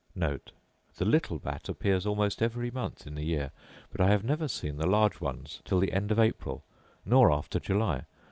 * The little bat appears almost every month in the year; but I have never seen the large ones till the end of April, nor after July.